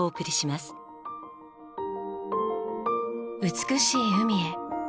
美しい海へ。